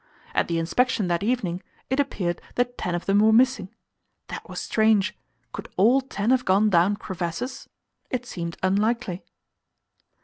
At the inspection that evening, it appeared that ten of them were missing. That was strange could all ten have gone down crevasses? It seemed unlikely.